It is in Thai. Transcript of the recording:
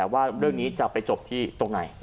ว่าเรื่องนี้จะไปจบที่ตรงไหน